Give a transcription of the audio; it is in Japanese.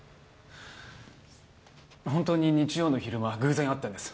本当に日曜の昼間偶然会ったんです。